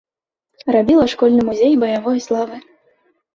Рабіла школьны музей баявой славы.